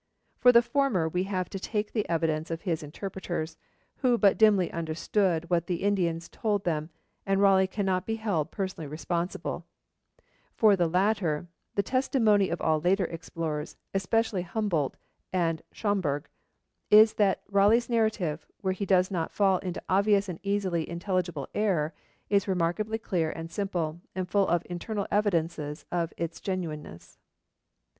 For the former we have to take the evidence of his interpreters, who but dimly understood what the Indians told them, and Raleigh cannot be held personally responsible; for the latter, the testimony of all later explorers, especially Humboldt and Schomburgk, is that Raleigh's narrative, where he does not fall into obvious and easily intelligible error, is remarkably clear and simple, and full of internal evidence of its genuineness.